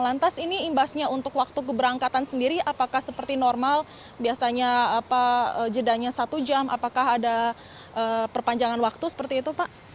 lantas ini imbasnya untuk waktu keberangkatan sendiri apakah seperti normal biasanya jedanya satu jam apakah ada perpanjangan waktu seperti itu pak